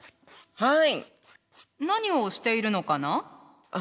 はい。